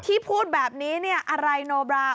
ที่พูดแบบนี้อะไรโนบรา